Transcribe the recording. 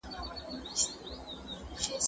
زه ښوونځی ته تللی دی!